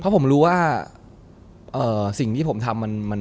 เพราะผมรู้ว่าสิ่งที่ผมทำ